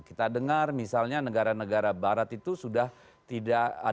kita dengar misalnya negara negara barat itu sudah tidak ada eh ada potensi tidak mau mengingatkan